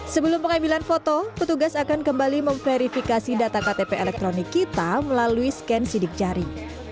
sebelum pengambilan foto petugas akan kembali memverifikasi data ktp elektronik kita melalui scan sidik jari